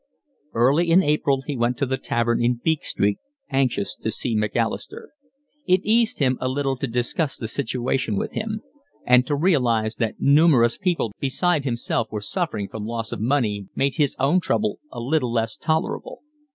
Early in April he went to the tavern in Beak Street anxious to see Macalister. It eased him a little to discuss the situation with him; and to realise that numerous people beside himself were suffering from loss of money made his own trouble a little less intolerable.